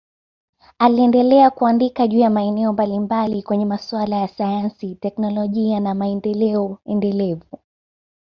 Aliendelea kuandika juu ya maeneo mbalimbali kwenye masuala ya sayansi, teknolojia na maendeleo endelevu.